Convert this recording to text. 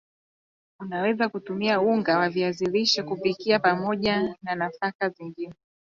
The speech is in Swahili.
unaweza kutumia unga wa viazi lishe kupikia pamoja na nafaka zungine